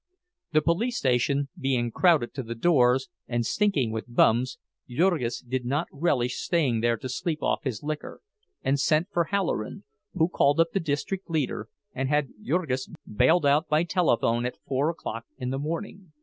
The police station being crowded to the doors, and stinking with "bums," Jurgis did not relish staying there to sleep off his liquor, and sent for Halloran, who called up the district leader and had Jurgis bailed out by telephone at four o'clock in the morning.